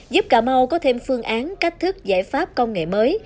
giúp cà mau có thêm phương án cách thức giải pháp công nghệ mới